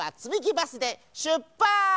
バスでしゅっぱつ！